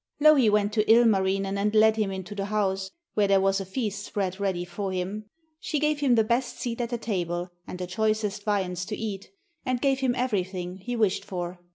Louhi went to Ilmarinen and led him into the house, where there was a feast spread ready for him. She gave him the best seat at the table, and the choicest viands to eat, and gave him everything he wished for.